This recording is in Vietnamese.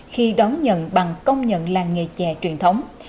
khi đón nhận bằng công nhận làng nghề chè truyền thống